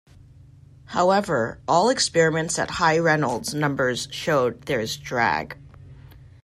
However, all experiments at high Reynolds numbers showed there is drag.